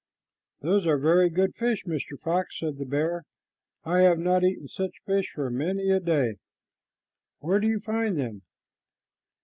"Those are very good fish, Mr. Fox," said the bear. "I have not eaten such fish for many a day. Where do you find them?"